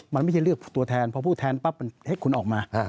มันไม่ใช่เลือกตัวแทนพอผู้แทนปั๊บมันให้คุณออกมา